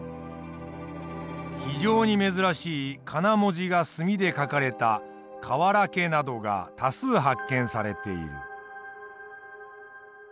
非常に珍しい仮名文字が墨で書かれたかわらけなどが多数発見されている。